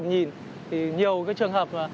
nhiều trường hợp